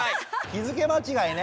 日付間違いね。